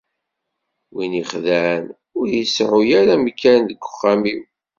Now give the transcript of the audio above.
Win ixeddɛen, ur iseɛɛu ara amkan deg uxxam-iw.